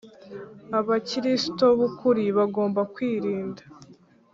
abakiristo b ukuri bagomba kwirinda